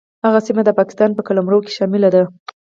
هغه سیمه د پاکستان په قلمرو کې شامله ده.